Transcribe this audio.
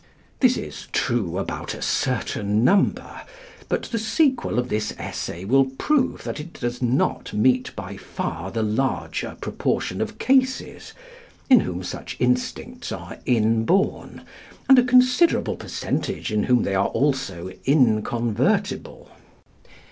This is true about a certain number. But the sequel of this Essay will prove that it does not meet by far the larger proportion of cases, in whom such instincts are inborn, and a considerable percentage in whom they are also inconvertible.